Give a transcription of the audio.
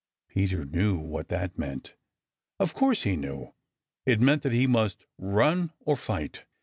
Peter knew what that meant. Of course he knew. It meant that he must run or fight.